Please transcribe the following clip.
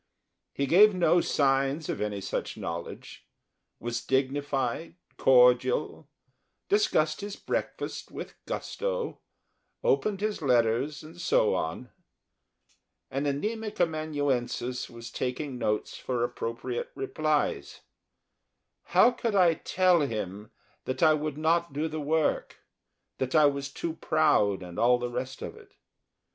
He gave no signs of any such knowledge was dignified, cordial; discussed his breakfast with gusto, opened his letters, and so on. An anæmic amanuensis was taking notes for appropriate replies. How could I tell him that I would not do the work, that I was too proud and all the rest of it?